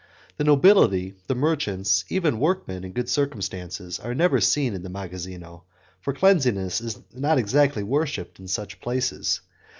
The nobility, the merchants, even workmen in good circumstances, are never seen in the 'magazzino', for cleanliness is not exactly worshipped in such places.